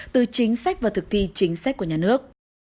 từ chính sách và thực thi chính sách của nhà nước